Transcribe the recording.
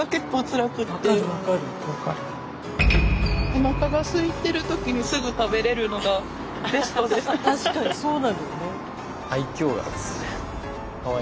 おなかがすいてる時にすぐ食べれるのがベストです。